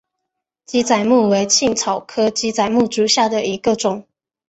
鸡仔木为茜草科鸡仔木属下的一个种。